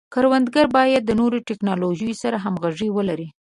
کروندګري باید د نوو ټکنالوژیو سره همغږي ولري.